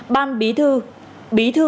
ban bí thư